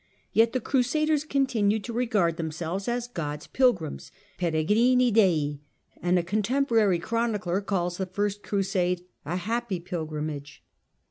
Yet the Crusaders continued to regard themselves as " God's pilgrims " (yeregrini Dei), and a contemporary chronicler calls the First Crusade a " happy pilgrimage."